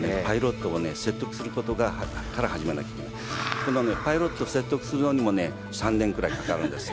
このパイロット説得するのにもね３年ぐらいかかるんですよ。